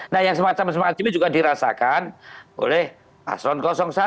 nah yang semacam semacam ini juga dirasakan oleh paslon satu